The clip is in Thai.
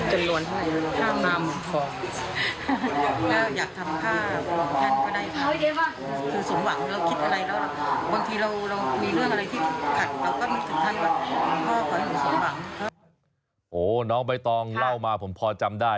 โหน้องใบตองเล่ามาผมพอจำได้